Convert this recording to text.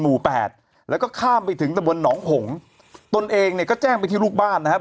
แปดแล้วก็ข้ามไปถึงตะบนหนองหงตนเองเนี่ยก็แจ้งไปที่ลูกบ้านนะครับ